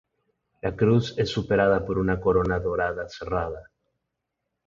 La cruz es superada por una corona dorada cerrada.